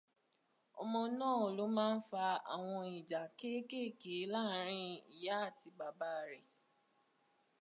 Ọmọ náà ló máa n fa àwọn ìjà kéékèèké láàárín ìyá àti bàbá rẹ̀